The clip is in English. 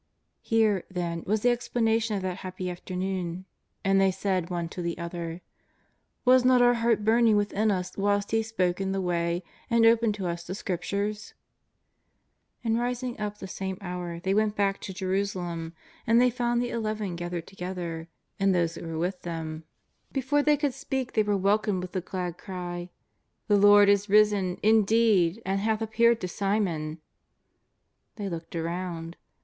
Here, then, was the explanation of that happy after noon. And they said one to the other: " Was not our heart burning within us whilst He spoke in the way and opened to us the Scriptures ?'^ And rising up the same hour, they went back to Jerusalem, and they found the Eleven gathered to gether, and those that were mth them. Before they could speak they were welcomed with the glad cry: " The Lord is risen, indeed, and hath appeared to Simon !'^ They looked around.